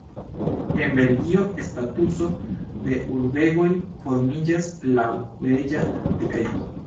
En Belgio statuso de urbegoj formiĝas laŭ reĝa dekreto.